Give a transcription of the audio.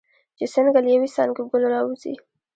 چې څنګه له یوې څانګې ګل راوځي.